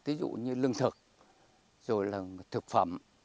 ví dụ như lương thực rồi là thực phẩm